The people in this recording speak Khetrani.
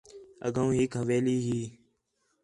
اڳّوں ہِک حویلی ہی